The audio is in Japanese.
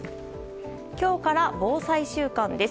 今日から防災週間です。